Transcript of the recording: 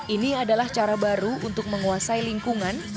ini adalah cara baru untuk menguasai lingkungan